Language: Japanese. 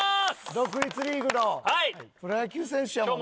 独立リーグのプロ野球選手やもんな。